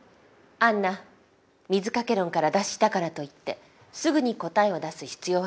杏奈水掛け論から脱したからといってすぐに答えを出す必要はないの。